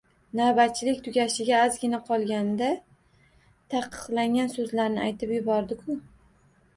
Navbatchilik tugashiga ozgina qolganda, taqiqlangan so`zlarni aytib yubordi-ku